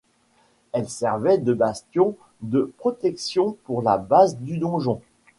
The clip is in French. Elles servaient de bastion de protection pour la base du donjon.